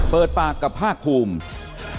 เปิดปากกับภาคภูมิ